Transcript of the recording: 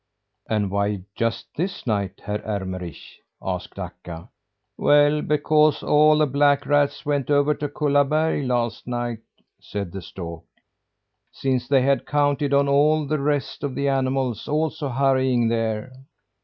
"And why just this night, Herr Ermenrich?" asked Akka. "Well, because nearly all the black rats went over to Kullaberg last night," said the stork, "since they had counted on all the rest of the animals also hurrying there.